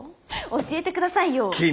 教えてくださいよー。